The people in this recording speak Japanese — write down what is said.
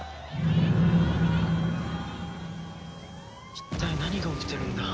一体何が起きてるんだ？